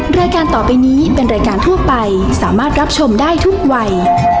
รายการต่อไปนี้เป็นรายการทั่วไปสามารถรับชมได้ทุกวัย